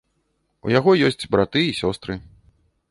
У яго ёсць браты і сёстры.